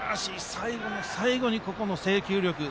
最後の最後にここの制球力。